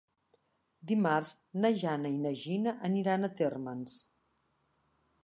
Dimarts na Jana i na Gina aniran a Térmens.